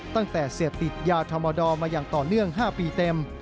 ตั้งแต่เสพติดยาธรรมดอร์มาอย่างต่อเนื่อง๕ปีเต็ม